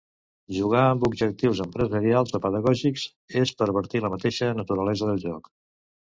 Jugar amb objectius empresarials o pedagògics és pervertir la mateixa naturalesa del joc.